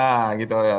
nah gitu ya